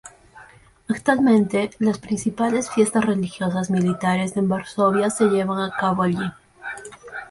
Actualmente las principales fiestas religiosas militares en Varsovia se llevan a cabo allí.